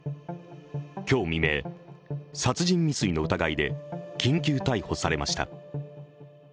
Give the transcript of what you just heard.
今日未明、殺人未遂の疑いで緊急逮捕されました。